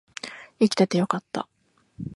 生きててよかった